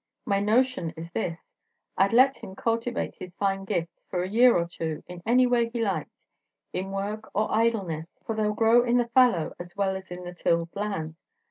"My notion is this: I'd let him cultivate his fine gifts for a year or two in any way he liked, in work or idleness; for they 'll grow in the fallow as well as in the tilled land.